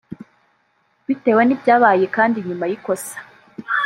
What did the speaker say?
Bitewe n’ibyabaye kandi nyuma y’ikosa